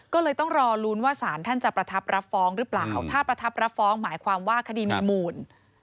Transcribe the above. ก็เลยต้องรอลุ้นว่าสารท่านจะประทับรับฟ้องหรือเปล่าถ้าประทับรับฟ้องหมายความว่าคดีมีมูล